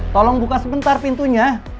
tolong buka sebentar pintunya